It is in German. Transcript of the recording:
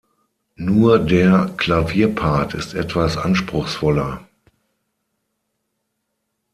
Nur der Klavierpart ist etwas anspruchsvoller.